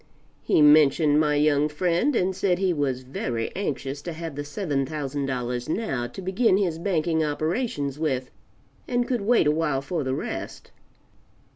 He mentioned my young friend and said he was very anxious to have the $7000 now to begin his banking operations with, and could wait a while for the rest.